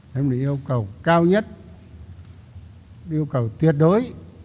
đó là một yêu cầu cao nhất yêu cầu tuyệt đối